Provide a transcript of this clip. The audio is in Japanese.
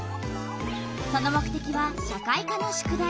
その目てきは社会科の宿題。